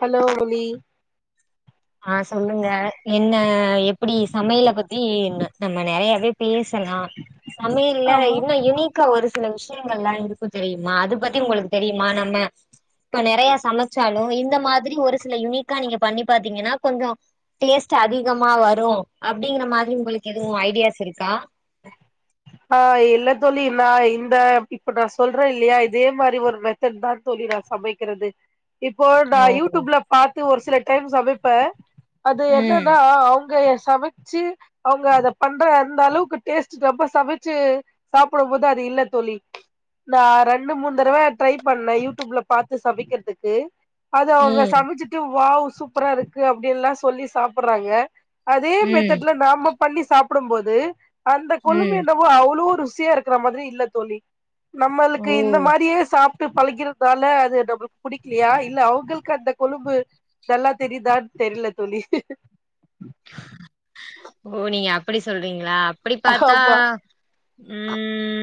Hello mummy ஆன் சொல்லுங்க என்ன எப்படி சமையல பத்தி நம்ம நெறையாவே பேசலாம் சமையல ஆமா இன்னொ இன்னிக் க்கா ஒரு சில விஷயங்கள் ல்லாம் இருக்கும் நா அது பத்தி உங்களுக்கு தெரியுமா நம்ம இப்ப நெறயா சமச்சாலும் இந்த மாதிரி ஒரு சில யுனிக்கா நீங்க பண்ணி பாத்தீங்கன்னா கொஞ்சம் டேஸ்ட் அதிகமா வரும் அப்டிங்கற மாதிரி உங்களுக்கு எதுவும் ஐடியாஸ் இருக்கா ஆ ஆன் இல்ல தோழி நா இந்த இப்ப நான் சொல்றேன் இல்லையா இதே மாதிரி ஒரு மெதே ட் தா தோழி நா சமைக்கிறது இப்போ நா ஓ யூடியூப்ல பாத்து ஒரு சில டைம் சமைப்பேன் அது ம் என்னன்னா அவ்ங்க சமைச்சு அவ்ங்க அத பண்ற அந்த அளவுக் டேஸ்ட் நம்ப சமச்சு சாப்பிடும் போது அது இல்ல தோழி நா ரெண்டு மூணு தடவ ட்ரை பண்ணேன் யூடியூப்ல பாத்து சமைக்றதுக்கு அது அவங்க ம் சமைச்சுட்டு வாவ் சூப்பரா இருக்கு அப்படின்ல்லா சொல்லி சாப்ட்றாங்க அதே ம் மெத்தட்ல நாம்ப பண்ணி சாப்பிடும் போது அந்த கொழம்பு ம் என்னவோ அவ்ளோ ருசியா இருக் க்குற மாதிரி இல்ல தோழி ஓ நம்மளுக்கு இந்த மாரியே சாப்பிட்டு பழக்கி றதுனால அது நம்ளுக்கு புடிக்லியா இல்ல அவ்ங்ளுக்கு அந்த கொழம்பு நல்லா தெரியுதான்னு தெரில தோழி ஓ நீங்க அப்டி சொல்றீங்களா அப்டி பாத்தா ஆமா ம்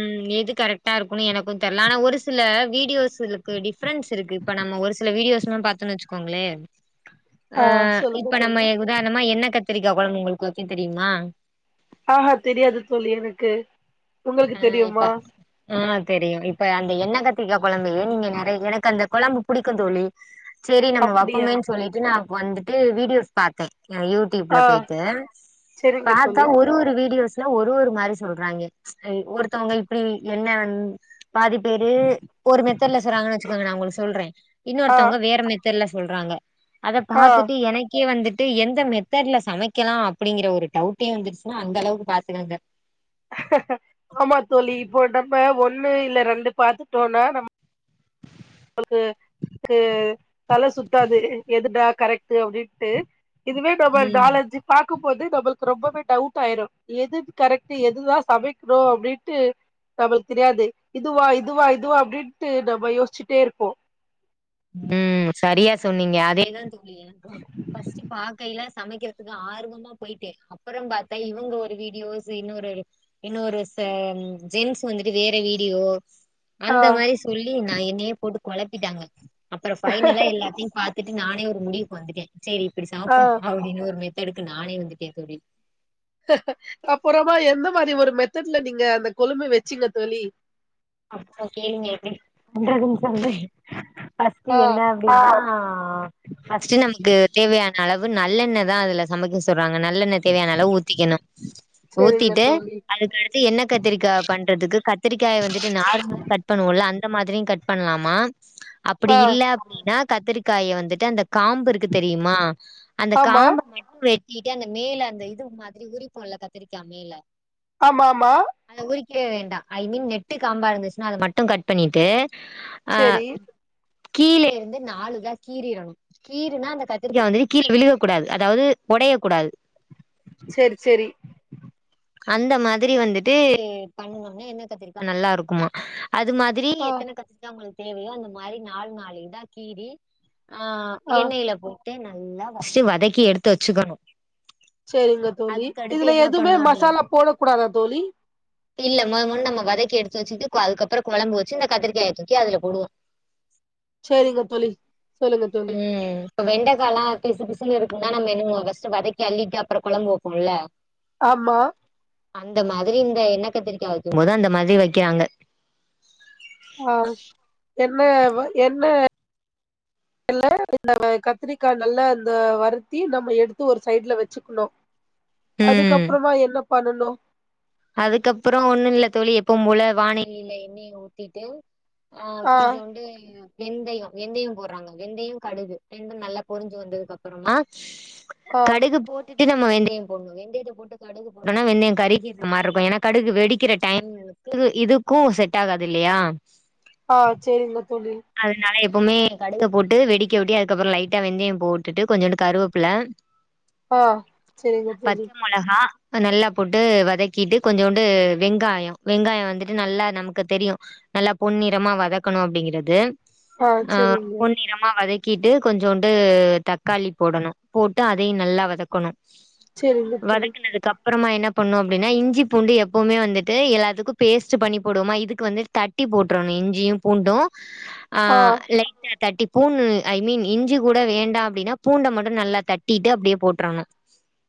ம் எது கரெக்டா இருக்கும்னு எனக்குன் தெர்ல ஆனா ஒரு சில வீடியோஸ்ளுக்கு டிஃப்ரன்ஸ் இருக்கு இப்ப நம்ம ஒரு சில வீடியோஸ்லாம் பாத்துன்னு வச்சுக்கோங்களே ஆ சொல்லுங்க இப்ப தோழி நம்ம உதாரணமா என்ன கத்திரிக்கா கொழம்பு உங்ளுக்கு வைக்க தெரியுமா ஆ ஆ தெரியாது தோழி எனக்கு உங்ளுக்கு தெரியுமா ம் ஆன் தெரியும் இப்ப அந்த எண்ணெய் கத்திரிக்கா கொழம்புயே நீங்க நெறைய எனக்கு அந்த கொழம்பு புடிக்கும் தோழி சேரி நம்ம அப்டியா வப்போமேன்னு சொல்லிட்டு நான் வந்துட்டு வீடியோஸ் பாத்தேன் யூட் டியூப்ல ஆ போயிட்டு செரிங்க பாத்தா தோழி ஒரு ஒரு வீடியோஸ்ல ஒரு ஒரு மாதிரி சொல்றாங்க ஒருத்தவங்க இப்டி என்ன பாதி பேரு ஒரு மெத்தர்ல சொல்றாங்கன்னு வச்சுக்காங்க நா உங்களுக்கு சொல்றேன் ஆ இன்னொருத்வங்க வேற மெதோட்ல சொல்றாங்க அத ஆ பாத்துட்டு எனக் கே வந்துட்டு எந்த மெத்தடுல சமைக்கலா அப்டிங்கிற ஒரு டவுட்டே வந்துருச்சுன்னா அந்த அளவுக்கு பாத்துக்கோங்க ஆமா தோழி இப்போ நம்ம ஒண்ணு இல்ல ரெண்டு பாத்துட்டோனா நம் [inaudible] ங்களுக்கு கு தல சுத்தாது எதுடா கரெக்ட் அப்டின்ட்டு இதுவே நம்ம ம் நாலு அஞ்சு பாக்கும்போது நம்மளுக்கு ரொம்பவே டவுட் ஆயிரும் எது கரெக்ட்டு எதுதா சமைக்ணும் அப்டின்ட்டு நம்மளுக்கு தெரியாது இதுவா இதுவா இதுவா அப்டின்ட்டு நம்ம யோசிச்சிட்டே இருப்போம் ம் சரியா சொன்னீங்க அதேதா தோழி ஃபர்ஸ்ட்டு பாக்கைல சமைக்கிறதுக்கு ஆர்வமா போயிட்டே அப்பறோம் பாத்தே இவுங்க ஒரு வீடியோஸ் இன்னொரு இன்னொரு சா ஜென்ஸ் வந்துட்டு வேற வீடியோ ஆ அந்த மாரி சொல்லி நா என்னையே போட்டு கொழப்பிட்டாங்க அப்பற ஃபைனலா எல்லாத்தையு பாத் த்துட்டு நானே ஒரு முடிவுக்கு வந்துட்டே செரி இப்டி ஆ சாப்ணு அப்டின்னு ஒரு மெத்தடுக்கு நானே வந்துட்டே தோழி அப்புறமா எந்த மாரி ஒரு மெத்ட்ல நீங்க அந்த கொழம்பு வச்சீங்க தோழி ஒன்ற நிமிஷந்தா ஃபஸ்ட்டு ஆ என்ன ஹா ஃபர்ஸ்ட்டு நமக்கு தேவையான அளவு நல்லெண்ண தா அதுல சமைக்க சொல்றாங்க நல்லெண்ண தேவையான அளவு ஊத்திக்கணு [inaudible] ஊத்திட்டு தோழி அதுக்கடுத்து எண்ணெ கத்திரிக்கா பண்றதுக்கு கத்திரிக்காய வந்துட் ட்டு நார்மல் கட் பண்ணுவோ அந்த மாதிரியு கட் பண்ணலாமா அப்டி ஆ இல்ல அப்டின்னா கத்திரிக்காய வந்துட்டு அந்த காம்பு இருக்கு தெரியுமா அந்த ஆமா காம்ப கட் பண் ணிட்டு அந்த மேல அந்த இது மாதிரி உறிப்போல்ல கத்திரிக்கா மேல ஆமா ஆமா அத உறிக்க வேண்டா ஐ மீன் நெட்டு காம்பா இருந்துச்சுன்னா அத மட்டு கட் பண்ணிட்டு ஆ செரி கீழ இருந்து நாலுதா கீறிறணு கீருன்னா அந்த கத்திரிக்கா வந்து கீழ விழுகக்கூடாது அதாவது ஒடைய கூடாது செரி செரி அந்த மாதிரி வந்துட்டு நீங்க பண்ணுனா எண்ணெ கத்திரிக்கா நல்லா இருக்குமா அது மா த்ரீ ஆ எத்தன கத்துக்கா உங்களுக்கு தேவையோ அந்த மாதிரி நாலு நாலு இதா கீறி ஆ ஆ எண்ணெயில போட்டு நல்லா ஃபர்ஸ்ட்டு வதக்கி எடுத்து வச்சுக்கணு சரிங்க தோழி அதுக்கடுத்து இதுல என்ன எதுமே பண்ணு அப்டி மசாலா போட கூடாதா தோழி இல்ல மா முன்னுமா நம்ம வதக்கி எடுத்து வெச்சிட்டு அதுக்கப்பறமா கொழம்பு வச்சு இந்த கத்திரிக்காய தூக்கி அதுல போடுவோ சேரிங்க தோழி சொல்லுங்க தோழி ம் இப்ப வெண்டக்கலா பிசு பிசுன்னு இருக்குனு நம்ம என்ன ஃபர்ஸ்ட்டு வதக்கி அள்ளிட்டு அப்புறோ கொழம்பு வப்போல்ல ஆமா அந்த மாதிரி இந்த எண்ண கத்திரிக்கா வெக்கும் போது அந்த மாதிரி வெக்கிறாங்க ஆ என்னவ் என்ன இல்ல இந்த கத்திரிக்கா நல்லா இந்த வருத்தி நம்ம எடுத்து ஒரு சைட்ல வெச்சுக்கணு ம் அதுக்கப்பறமா என்ன பண்ணணு அதுக்கப்பறோ ஒன்னு இல்ல தோழி எப்பவு போல வானலியில எண்ணய ஊத்திட்டு ஆ கொஞ்சோண்டு வெந்தயோ வெந்தயோ போட்றாங்க வெந்தயோ கடுகு ரெண்டு நல்லா பொரிஞ்சி வந்ததுக்கு அப்பறமா ஆ, கடுகு போட்டுட்டு நம்ம வெந்தயம் போடணு வெந்தயத்த போட்டு கடுகு போட்டோனா வெந்தயம் கறிகி மாறிருக்கு ஏன்னா கடுகு வெடிக்கிற டைம் வந்து இதுக்கு செட் ஆகாது இல்லையா ஆ சேரிங்க தோழி அதுனால எப்பவுமே கடுக போட்டு வெடிக்க விட்டு அதுக்கப்பறோ லைட்டா வெந்தயம் போட்டுட்டு கொஞ்சோண்டு கருவப்புல ஆ செரிங்க தோழி மொளகா நல்லா போட்டு வதக்கிட்டு கொஞ்சோண்டு வெங்காயோ வெங்காய வந்துட்டு நல்லா நமக்கு தெரியு நல்லா பொன்னிறமா வதக்கணு அப்டிங்கிறது ஆ அ சரிங்க. பொன்னிற றமா வதக்கிட்டு கொஞ்சோண்டு தக்காளி போடணு போட்டு அதையு நல்லா வதக்கணு சரிங்க தோழி. வதக்குனதுக் அப் அப்பறமா என்ன பண்ணும் அப்டின்னா இஞ்சி பூண்டு எப்பவுமே வந்துட்டு எல்லாத்துக்கு பேஸ்ட்டு பண்ணி போடுவமா இதுக்கு வந்து தட் ட்டி போட்றணு இஞ்சியு பூண்டுஜஅ ஆ, லைட்டா தட்டி பூன்ணு ஐ மீன் இஞ்சி கூட வேண்டா அப்டின்னா பூண்ட மட்டு நல்லா தட்டிட்டு அப்டியே போட்றனு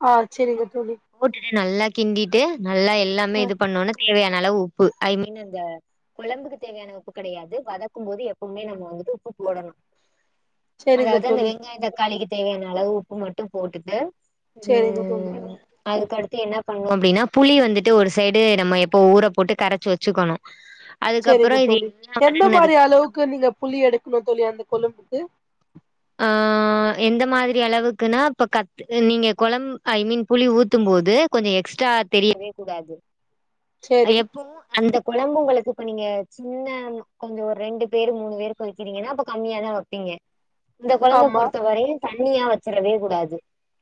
அ செரிங்க தோழி போட்டுட்டு நல்லா கிண்டிட்டு நல்லா எல்லாமே ஆ இது பண்ணோன்னா தேவையான அளவு ப்பு ஐ மீன் அந்த குழம்புக்கு தேவையான உப்பு கெடையாது வதக் க்கும்போது எப்பவுமே நம்ம வந்துட்டு உப்புபோடணு சரிங்க அதாவ்து அந்த தோழி. வெங்காயொ தக்காளி தேவையான அளவு உப்பு மட்டு போட்டுட்டு சேரிங்க தோழி ம் அதுக்கடுத்து என்ன பண்ணுஅப்டின்னா புளி வந்துட்டு ஒரு சைடு நம்ம எப்போ ஊர போட்டு கரச்சி வச்சுக்கணு செரிங்க அதுக்கப்புறோ இது தோழி எல்லா எந்த மாறி‌ வதங்குனதுக்கு அப்புறமா அளவுக்கு நீங்க புளி எடுக்குணு தோழி‌ அந்த கொழும்புக்கு ஆ எந்த மாதிரி அளவுக்குன்னா ப்ப கட் த்து நீங்க கொழம் ஐ மீன் புளி ஊத்தும்போது கொஞ்சொ எக்ஸ்ட்ரா தெரியவேகூடாது சரி. எப்பவு அந்த கொழம்பு உங்களுக்கு ப்ப நீங்க சின்ன கொஞ்சொ ஒர் ரெண்டு பேரு மூணு பேரு கொதிக்கிறீங்கன்னா அப்ப கம்மியா தா வப்பீங்க இந்த கொழம்பு ஆமா. பொறுத்தவரை தண்ணியா வச்சரவே கூடாது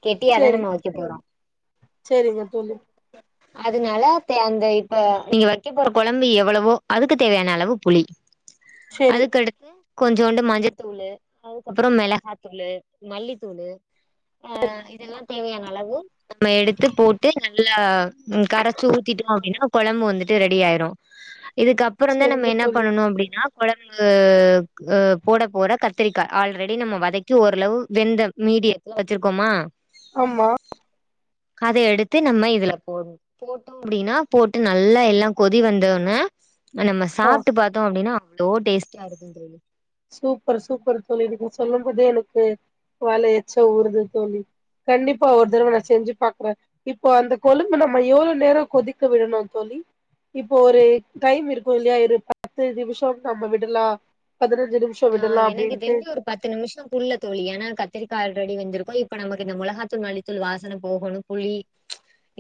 கெட்டியா தான் சரி நம்ம வைக்க போறோம் செரிங்க தோழி அதுனால தே அந்த இப்ப நீ வக்க போற கொழம்பு எவ்ளவோ அதுக்கு தேவையான அளவு புளி சரி. அதுக்கடுத்து கொஞ்சோண்டு மஞ்சத்தூளு அப்பற மெளகாத்தூளு மல்லித்தூளு அ இதெல்லா தேவையான அளவு நம்ம எடுத்து போட்டு நல்லா கரச்சு ஊத்திட்டோ அப்டின்னா கொழம்பு வந்துட்டு ரெடி ஆயிரு இதுக்கப்புற தா நம்ம சரிங்க என்ன தோழி. பண்ணனு அப்டின்னா கொழம்பு அ போட போட கத்திரிக்கா ஆல்ரெடி நம்ம வதக்கி ஓரளவு வெந்த மீடியத் ல வச்சிர்க்கோமா ஆம்மா அத எடுத்து நம்ம இதுல போட் போட்டோ அப்டின்னா போட்டு நல்ல எல்லா கொதி வந்தோன்ன நம்ம ஆ. சாப்டு பாத்தோ அப்டின்னா அவ்ளோ டேஸ்டாருக்கு தோழி சூப்பரு சூப்பரு தோழி இதுக்நீங்க சொல்லும்போதே எனக்கு வால எச்ச ஊருது தோழி கண்டிப்பா ஒரு தர்வ ம். நா செஞ்சு பாக்குற இப்போ அந்த கொழும்பு நம்ம எவ்ளோ நேரொ கொதிக்க விடணு தோழி இப்போ ஒரு டைம் இருக்கு இல்லியா ஒரு பத்து நிமிஷொ நம்ம விடுலா பதினஞ்சு நிமிஷோ ஆ விடுலா எனக்கு அப்டின்ட்டு தெரிஞ்சு ஒரு பத்து நிமிஷ குல்ல தோழி ஏனா கத்திரிக்கா அல்ரெடி வெந்திருக்கு இப்ப நமக்கு இந்த மொளகாதூள் மல்லித்தூள் வாசன போகணு புளி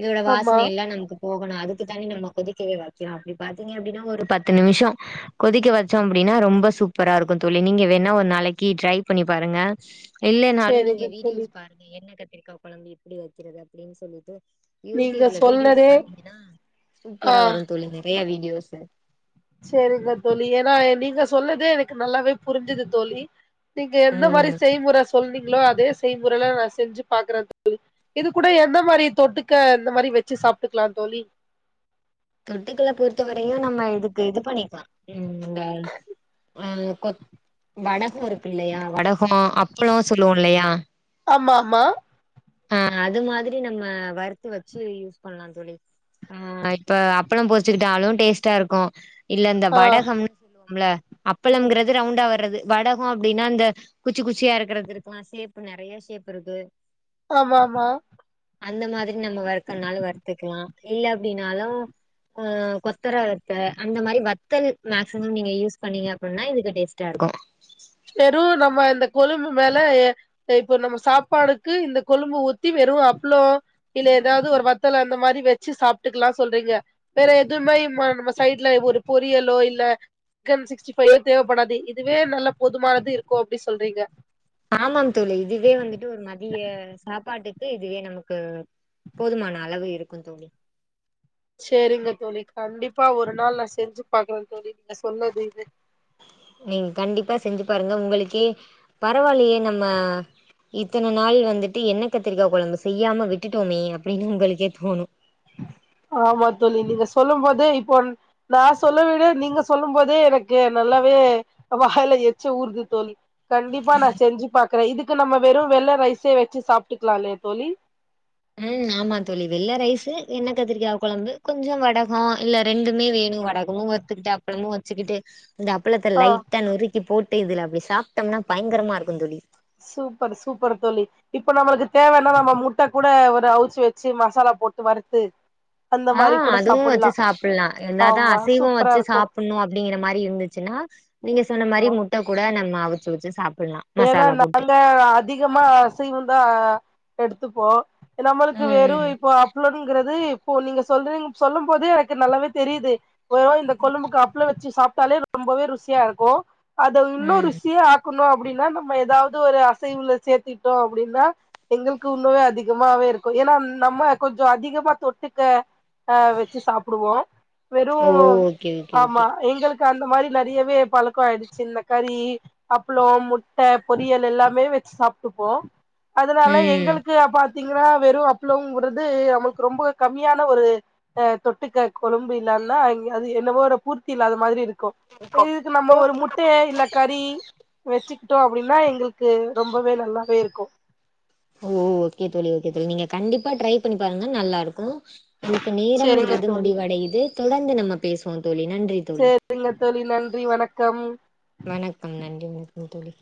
இதோட ஆமா வாசனைஎல்லா நமக் போகணு அதுக்குதானே நம்ம கொதிக்கவே வக்கிறோ அப்டி பாத்தீங்க அப்டின்னா ஒரு பத்து நிமிஷொ கொதிக்க வைச்சோ அப்டின்னா ரொம்ப சூப்பராருக்கு தோழி நீங்க வேனா ஒருநாளைக்கு ட்ரை பண்ணி பாருங்க இல்லன்னாலு நீங்க சேரிங்க தோழி வீடியோஸ் பாரு என்ன கத்திரிக்கா கொழம்பு எப்புடி வக்கிறது அப்டின் சொல்லிட்டு நீங்க யூடியூப்ல வீடியோஸ் சொன்னதே பாத்தீங்கன்னா ஆ சூப்பராவரு தோழி நெறைய வீடியோஸ்ஸு செரிங்க தோழி ஏன்னா நீங்க சொன்னதே எனக்கு நல்லாவே புரிஞ்சுது தோழி நீங்க எந்த மாரி ம் செய்முற சொல்வீங்ளோ அதே செய்முறல நா செஞ்சு பாக்குற தோழி இது கூட எந்த மாறி தொட்டுக்க இந்த மாரி வெச்சு சாப்ட்டுக்கலா தோழி தொட்டுக்கள பொறுத்த வரையு நம்ம இதுக்கு இது பண்ணிக்கலா ம் ந்த அம் கொத் வடக இருக்குல்லயா வடக அப் [unintelligible] சொல்லுவோம் இல்லையா மாமா அ அது மாதிரி நம்ம வறுத்து வச்சு யூஸ் பண்ணலா தோழி அ இப்ப அப்பளம் பொறிச்சுக்கிட்டாலும் டேஸ்ட்டா இருக்கு இல்ல இந்த ஆ வடகம் லா அப்பளம்ங்கிறது ரவுண்டா வர்றது வடகோ அப்டின்னா அந்த குச்சி குச்சியா இருக்கிறது இருக்கும் ஷேப் நெறைய ஷேப் இருக்கு மாமா அந்த மாதிரி நம்ம வறுக்கனாலு வறுத்துக்கலா இல்ல அப்டின்னாலு அ கொ கொத்தர வத்த அந்த மாரி வத்தல் மேக்சிமம் நீங்க யூஸ் பண்ணீங்க அப்டின்னா இதுக்கு டேஸ்ட்டா இருக்கு வெறும் நம்ம இந்த கொழும்பு மேலே இப்போ நம்ம சாப்பாடுக்கு இந்த கொழும்பு ஒத்தி வெறும் அப்ளோ இல்ல ஏதாவது ஒரு வத்தல அந்த மாரி வச்சு சாப்ட்டுக்கலா சொல்றீங்க வேற எதுவுமே நம்ம சைடுல ஒரு பொரியலோ இல்ல சிக்கன் சிக்ஸ்டி ஃபைவ் தேவைப்படாது இதுவே நல்ல போதுமானது இருக்கு அப்டி சொல்றீங்க ஆமாம் தோழி இதுவே வந்துட்டு ஒரு மதிய சாப்பாட்டுக்கு இதுவே நமக்கு போதுமான அளவு இருக்கு தோழி சரிங்க தோழி கண்டிப்பா ஒரு நாள் நான் செஞ்சு பாக்கறே தோழி நீங்க சொன்னது இது ம் கண்டிப்பா செஞ்சு பாருங்க உங்களுக்கே பரவாலையே நம்ம இத்தனை நாள் வந்துட்டு எண்ணெ கத்திரிக்கா கொழம்பு செய்யாம விட்டுட்டோமே அப்டின்னு உங்களுக்கே தோணு ஆமா தோழி நீங்க சொல்லு போதே இப்ப வந் நான் சொல்ல விடு நீங்க சொல்லும் போதே எனக்கு நல்லாவே வாயில எச்சி ஊறுது தோழி கண்டிப்பா நான் செஞ்சு பாக்குறே இதுக்கு நம்ம வெறு வெள்ள ரைஸே வச்சு சாப்ட்டுக்கலா இல்லையா தோழி ம் ஆமா தோழி வெள்ள ரைஸூ என்ன கத்திரிக்கா கொழம்பு கொஞ்சோ வடகோ இல்ல ரெண்டுமே வேணும் வடக [unintelligible] ஒத்துக்கிட்டு அப்பளமு வச்சுக்கிட்டு இந்த அப்பளத்தை ஆ லைட்டா நொறுக்கி போட்டு இதுல அப்டி சாப்ட்டோம்னா பயங்கரமா இருக்கு தோழி சூப்பர் சூப்பர் தோழி இப்ப நம்மளுக்கு தேவைன்னா நம்ம முட்ட கூட ஒரு அவிச்சு வச்சு மசாலா போட்டு வறுத்து அந்த அ மாரி கூட அதுவு வச்சு சாப்புட்லா சாப்டலா எனதான் ஆமா அசைவம் சூப்பரா வச்சு இருக்கு சாப்டணு அப்டிங்கிற மாரி இருந்துச்சுன்னா நீங்க சொன்ன மாரி ஆமா முட்ட கூட நம்ம அவிச்சு வச்சு சாப்டுலா ஏன்னா நாங்க அதிகமா அசைவ தான் எடுத்துப்போ நம்மளுக்கு ம் வெறு இப்போ அப்ளங்கிறது இப்ப நீங்க சொல்றீங்க சொல்லும் போது எனக்கு நல்லாவே தெரியுது வெறு இந்த கொழும்புக்கு அப் அப்பளம் வச்சு சாப்ட்டாலே ரொம்பவே ருசியா இருக்கு அத ம் இன்னு ம் ருசியே ஆக்கணு அப் அப்டின்னா நம்ம ஏதாவது ஒரு அசைவுல சேத்திட்டோ அப்டின்னா எங்களுக்கு இண்ணுவே அதிகமாவே இருக்கு ஏன்னா நம்ம கொஞ்சோ அதிகமா தொட்டுக்க அ வச்சு சாப்டுவோ வெறு ஓ ஓகே ஓகே ஓகே ஆமா எங்களு அந்த மாரி நெறையவே பழக்கோ ஆயிடுச்சு இந்த கறி அப்பளம் முட்ட பொரியல் எல்லாமே வச்சு சாப்ட்டுப்போ அதனால ம் எங்களுக்கு அப் பாத்தீங்கன்னா வெறு அப்பளோங்கிறது நம்மளுக்கு ரொம்ப கம்மியான ஒரு அ தொட்டுக்க கொழம்பு இல்லான்னா அது என்னவோ ஒரு பூர்த்தி இல்லதா மாதிரி இருக்கு இதுக்கு நம்ம ஒரு முட்டை இல்ல கறி வச்சுக்கிட்டோம் அப்டின்னா எங்களுக்கு ரொம்பவே நல்லாவே இருக்கு ஒ ஓகே தோழி ஓகே தோழி நீங்க கண்டிப்பா ட்ரை பண்ணி பாருங்கா நல்லா இருக்கு நமக்கு சேரிங்க நேரங்கறது தோழி முடிவடையுது தொடர்ந்து நம்ம பேசுவோ தோழி நன்றி தோழி சேரிங்கத் தோழி நன்றி வணக்கம் வணக்கம் நன்றி வணக்கம் தோழி